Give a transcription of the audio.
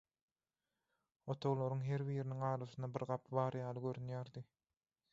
Otaglaryň herbiriniň arasynda bir gapy bar ýaly görünýärdi.